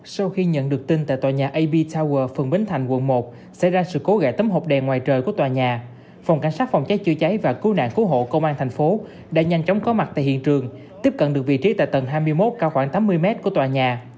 sau khi nhận được tin tại tòa nhà ab tower phường bến thành quận một xảy ra sự cố gậy tấm hộp đèn ngoài trời của tòa nhà phòng cảnh sát phòng cháy chữa cháy và cứu nạn cứu hộ công an thành phố đã nhanh chóng có mặt tại hiện trường tiếp cận được vị trí tại tầng hai mươi một cao khoảng tám mươi m của tòa nhà